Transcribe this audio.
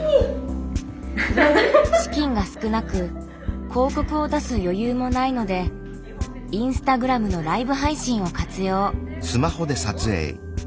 資金が少なく広告を出す余裕もないのでインスタグラムのライブ配信を活用。